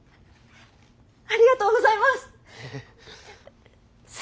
ありがとうございます！